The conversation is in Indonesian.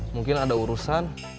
mungkin ada urusan